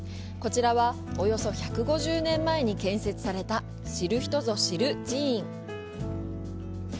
こちらは、およそ１５０年前に建設された、知る人ぞ知る寺院。